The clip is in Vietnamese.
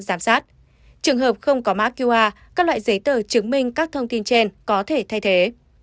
giám sát trường hợp không có mã qr các loại giấy tờ chứng minh các thông tin trên có thể thay thế